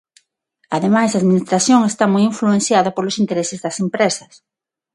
Ademais, a administración está moi influenciada polos intereses das empresas.